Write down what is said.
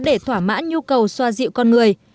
để thỏa mãn nhu cầu xoa dịu con người